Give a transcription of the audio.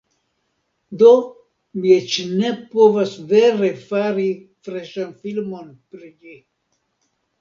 Do, mi eĉ ne povas vere fari freŝan filmon pri ĝi